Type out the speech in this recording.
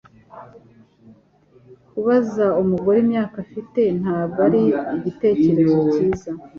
Kubaza umugore imyaka afite ntabwo ari igitekerezo cyiza.